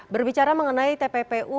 berbicara mengenai tppu